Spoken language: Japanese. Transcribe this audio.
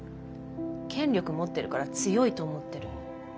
権力持ってるから強いと思ってる。